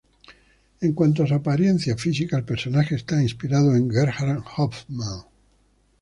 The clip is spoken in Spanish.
En cuanto a su apariencia física, el personaje está inspirado en Gerhart Hauptmann.